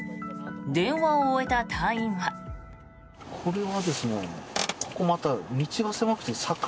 電話を終えた隊員は。